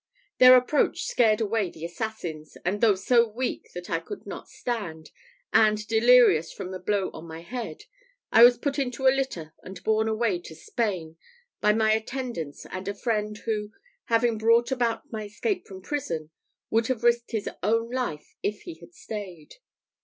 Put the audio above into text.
"Their approach scared away the assassins; and though so weak that I could not stand, and delirious from the blow on my head, I was put into a litter and borne away to Spain, by my attendants and a friend, who, having brought about my escape from prison, would have risked his own life if he had stayed.